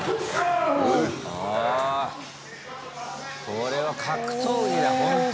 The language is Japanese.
これは格闘技だ、ほんと。